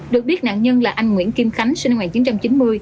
được biết nạn nhân là anh nguyễn kim khánh sinh năm một nghìn chín trăm chín mươi